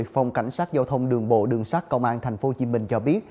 phòng cảnh sát giao thông đường bộ đường sát công an tp hcm cho biết